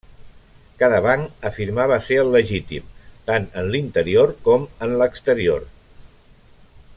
Cada banc afirmava ser el legítim, tant en l'interior com en l'exterior.